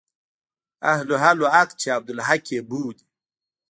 اهل حل و عقد چې عبدالحق يې بولي.